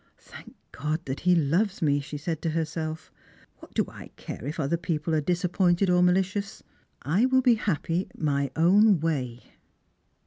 "Thank God that he loves me," she said to herself. "What do I care if other people are disappointed or mahcious P I will be hapi^y my own way."